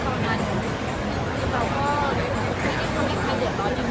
ช่องความหล่อของพี่ต้องการอันนี้นะครับ